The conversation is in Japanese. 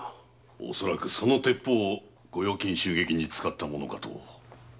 恐らくその鉄砲を御用金襲撃に使ったものかと。